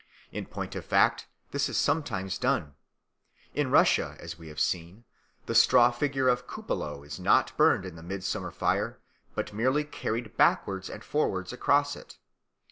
In point of fact this is sometimes done. In Russia, as we have seen, the straw figure of Kupalo is not burned in the midsummer fire, but merely carried backwards and forwards across it.